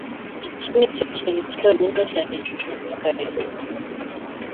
Iki nicyo kintu cyonyine cyari gisigaye.